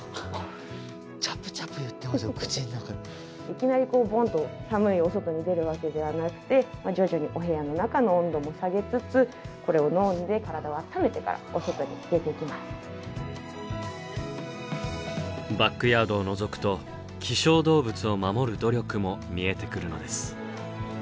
いきなりボンと寒いお外に出るわけではなくてまあ徐々にお部屋の中の温度も下げつつこれを飲んでバックヤードをのぞくと希少動物を守る努力も見えてくるのです。